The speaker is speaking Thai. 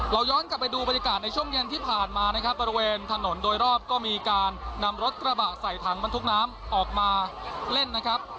ย้อนกลับไปดูบรรยากาศในช่วงเย็นที่ผ่านมานะครับบริเวณถนนโดยรอบก็มีการนำรถกระบะใส่ถังบรรทุกน้ำออกมาเล่นนะครับ